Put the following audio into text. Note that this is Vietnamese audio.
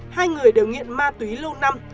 hai người đều nghiện ma túy lâu năm